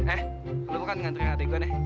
eh lo kan nganterin adik gua nih